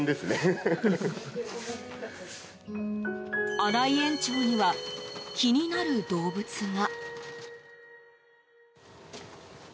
荒井園長には気になる動物が。